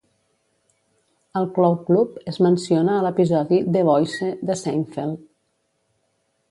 El Cloud Club es menciona a l'episodi "The Voice" de Seinfeld.